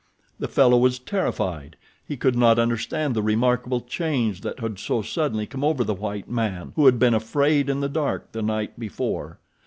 The fellow was terrified. He could not understand the remarkable change that had so suddenly come over the white man who had been afraid in the dark the night before.